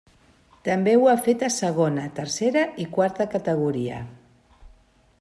També ho ha fet a segona, tercera i quarta categoria.